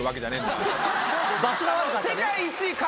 場所が悪かったね。